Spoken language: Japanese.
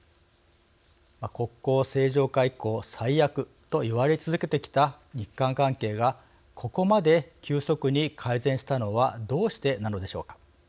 国交正常化以降最悪と言われ続けてきた日韓関係がここまで急速に改善したのはどうしてなのでしょうか。